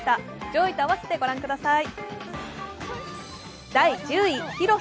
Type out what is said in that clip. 上位とあわせて御覧ください。